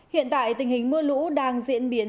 hiện tại tình hình mưa lũ đang diễn biến